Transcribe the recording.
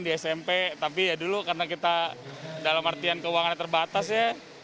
di smp tapi ya dulu karena kita dalam artian keuangannya terbatas ya